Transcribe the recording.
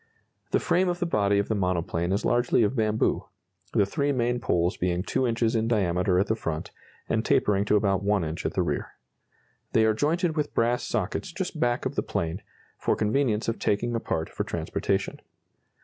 The frame of the body of the monoplane is largely of bamboo, the three main poles being 2 inches in diameter at the front, and tapering to about 1 inch at the rear. They are jointed with brass sockets just back of the plane, for convenience of taking apart for transportation.